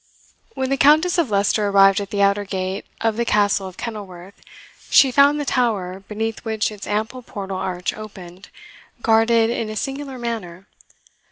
When the Countess of Leicester arrived at the outer gate of the Castle of Kenilworth, she found the tower, beneath which its ample portal arch opened, guarded in a singular manner.